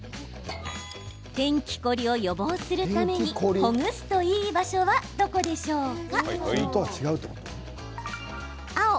天気凝りを予防するためにほぐすといい場所はどこでしょうか？